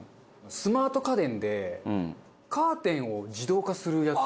スマート家電でカーテンを自動化するやつ。